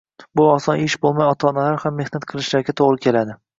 Bu oson ish bo‘lmay, ota-onalar ham mehnat qilishlariga to‘g‘ri keladi.